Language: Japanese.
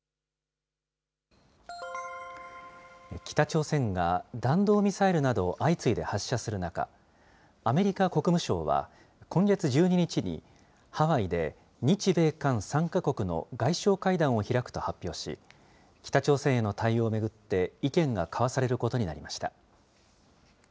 北朝鮮が弾道ミサイルなどを相次いで発射する中、アメリカ国務省は、今月１２日に、ハワイで日米韓３か国の外相会談を開くと発表し、北朝鮮への対応を巡って、意見が交わされることになりました。